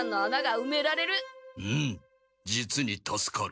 うむ実に助かる！